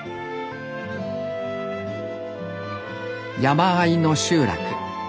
山あいの集落。